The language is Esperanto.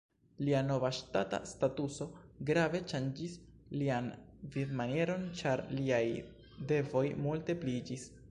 Lia nova ŝtata statuso grave ŝanĝis lian vivmanieron, ĉar liaj devoj multe pliiĝis.